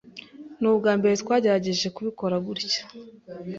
Nubwambere twagerageje kubikora gutya.